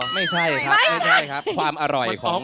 ไม่ใช่ครับความอร่อยของ